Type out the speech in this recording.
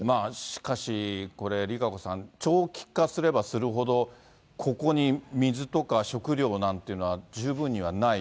しかし、これ、ＲＩＫＡＣＯさん、長期化すればするほど、ここに水とか食料なんていうのは、十分にはない。